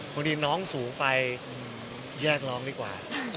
พอดีน้องสูงไปแยกร้องดีกว่า